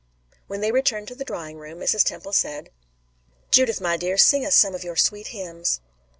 When they returned to the drawing room, Mrs. Temple said: "Judith, my dear, sing us some of your sweet hymns."